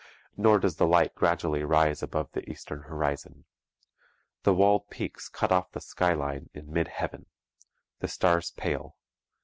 Nor does the light gradually rise above the eastern horizon. The walled peaks cut off the skyline in mid heaven. The stars pale.